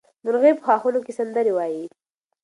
مرغۍ په ښاخونو کې سندرې وایي.